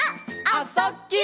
「あ・そ・ぎゅ」